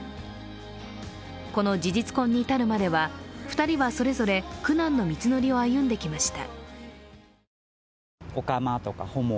この事実婚に至るまでは２人はそれぞれ苦難の道のりを歩んできました。